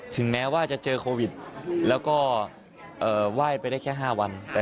แม้ว่าจะเจอโควิดแล้วก็ไหว้ไปได้แค่๕วัน